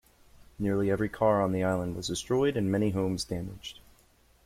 Nearly every car on the island was destroyed, and many homes damaged.